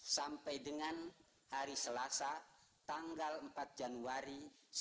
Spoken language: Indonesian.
sampai dengan hari selasa tanggal empat januari seribu sembilan ratus empat puluh